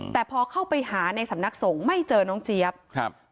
แต่พอเข้าไปหาในสำนักสงฆ์ไม่เจอน้องเจี๊ยบครับ